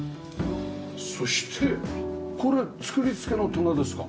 そしてこれ作り付けの棚ですか？